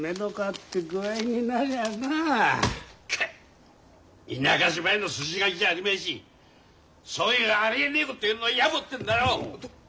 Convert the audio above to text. ケッ田舎芝居の筋書きじゃあるめえしそういうありえねえこと言うのはやぼってんだよ！